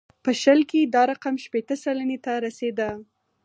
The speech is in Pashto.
په شل کې دا رقم شپېته سلنې ته رسېده.